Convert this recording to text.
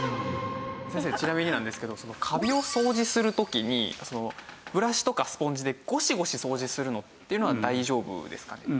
先生ちなみになんですけどカビを掃除する時にブラシとかスポンジでゴシゴシ掃除するのっていうのは大丈夫ですかね？